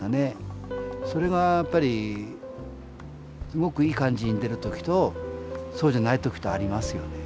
それがやっぱりすごくいい感じに出る時とそうじゃない時とありますよね。